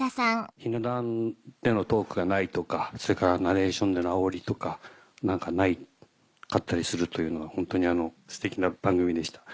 ひな壇でのトークがないとかそれからナレーションでのあおりとかがなかったりするというのがホントにステキな番組でした。